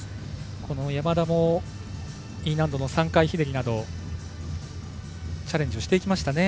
この山田もＥ難度の３回ひねりなどチャレンジをしていきましたね。